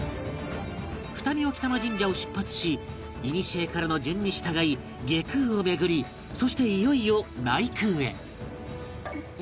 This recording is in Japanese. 二見興玉神社を出発しいにしえからの順に従い外宮を巡りそしていよいよ内宮へ